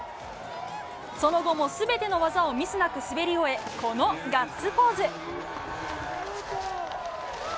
その後も全ての技をミスなく滑り終えこのガッツポーズ！